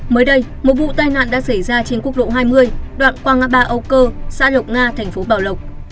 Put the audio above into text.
mới đây một vụ tai nạn đã xảy ra trên quốc lộ hai mươi đoạn qua ngã ba âu cơ xã lộc nga thành phố bảo lộc